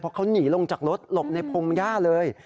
เพราะเขาหนีลงจากรถหลบในพงหญ้าเลย